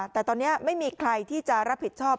แต่ตอนนี้ไม่มีใครที่จะรับผิดชอบ